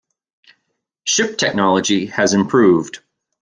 Ship technology has improved.